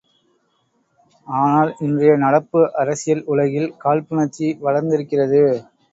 ஆனால், இன்றைய நடப்பு அரசியல் உலகில் காழ்ப்புணர்ச்சி வளர்ந்திருக்கிறது!